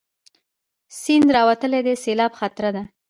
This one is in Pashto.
سيند راوتی دی، د سېلاب خطره ده